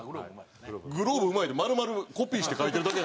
「グローブうまい」って丸々コピーして描いてるだけ。